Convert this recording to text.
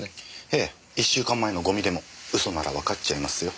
ええ１週間前のゴミでも嘘ならわかっちゃいますよ。